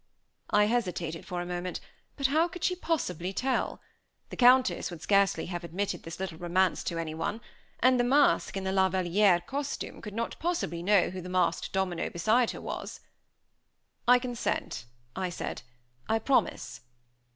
I hesitated for a moment; but how could she possibly tell? The Countess would scarcely have admitted this little romance to anyone; and the mask in the La Vallière costume could not possibly know who the masked domino beside her was. "I consent," I said, "I promise."